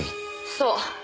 そう。